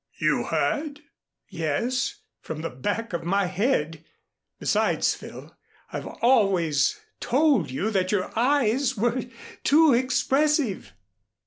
"You heard?" "Yes, from the back of my head. Besides, Phil, I've always told you that your eyes were too expressive."